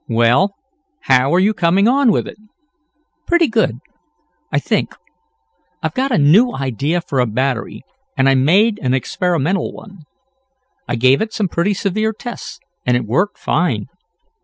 Well, how are you coming on with it?" "Pretty good, I think. I've got a new idea for a battery, and I made an experimental one. I gave it some pretty severe tests, and it worked fine."